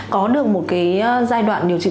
có được một cái giai đoạn điều trị